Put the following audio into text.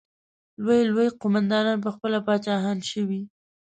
لوی لوی قوماندانان پخپله پاچاهان شوي.